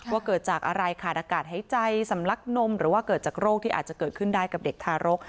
ว่าเกิดจากอะไรขาดอากาศหายใจสำลักนมหรือว่าเกิดจากโรคที่อาจจะเกิดขึ้นได้กับเด็กทารก